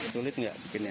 sulit nggak bikinnya